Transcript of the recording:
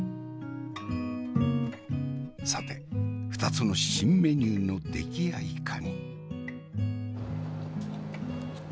さて２つの新メニューの出来やいかに。